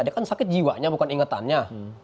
dia kan sakit jiwanya bukan ingetannya